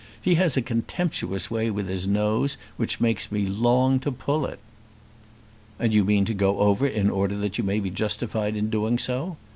He has a contemptuous way with his nose which makes me long to pull it." "And you mean to go over in order that you may be justified in doing so.